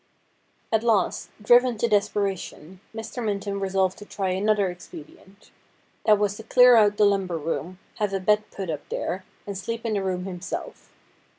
At last, driven to desperation, Mr. Minton resolved to try another expedient. That was to clear out the lumber room, have a bed put up there, and sleep in the room himself.